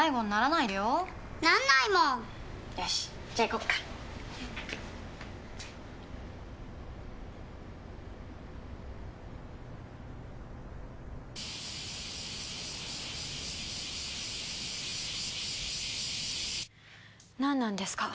なんなんですか？